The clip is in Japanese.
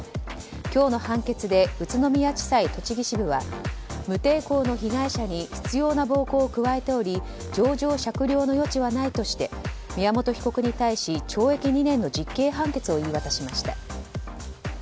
今日の判決で宇都宮地裁栃木支部は無抵抗の被害者に執拗な暴行を加えており情状酌量の余地はないとして宮本被告に対し懲役２年の実刑判決を言い渡しました。